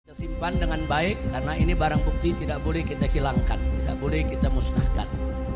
kita simpan dengan baik karena ini barang bukti tidak boleh kita hilangkan tidak boleh kita musnahkan